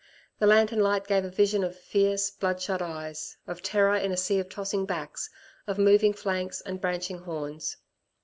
The lantern light gave a vision of fierce, bloodshot eyes of terror in a sea of tossing backs, of moving flanks, and branching horns.